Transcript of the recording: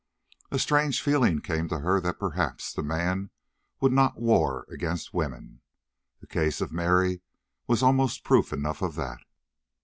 A strange feeling came to her that perhaps the man would not war against women; the case of Mary was almost proof enough of that.